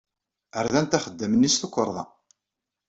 Rdant axeddam-nni s tukerḍa.